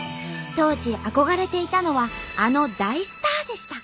当時憧れていたのはあの大スターでした。